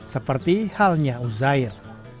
seperti halnya uzair